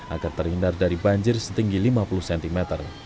agar terhindar dari banjir setinggi lima puluh cm